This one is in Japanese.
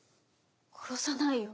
殺さないよ